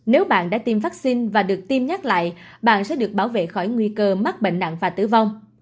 nếu bạn đã tiêm vaccine và được tiêm nhắc lại bạn sẽ được bảo vệ khỏi nguy cơ mắc bệnh nặng và tử vong